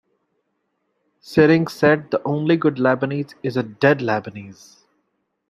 Syring said The only good Lebanese is a dead Lebanese.